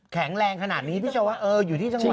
แข็งแรงขนาดนี้พี่จะว่าเอออยู่ที่จังหวัด